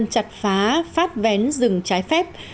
chặt phá phát vén rừng trái phép